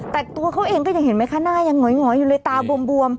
แต่ตัวเขาเองก็ยังเห็นไหมคะหน้ายังหอยอยู่เลยตาบวม